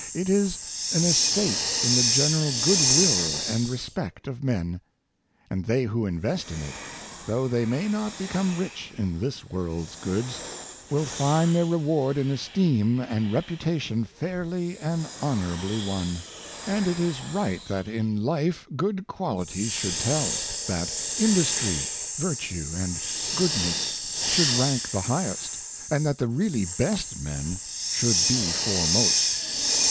It is an estate in the general good will and re spect of men; and they who invest in it — though they may not become rich in this world's goods — will find their reward in esteem and reputation fairly and honor ably won. And it is right that in life good qualities should tell — that industry, virtue, and goodness should rank the highest — and that the really best men should be foremost.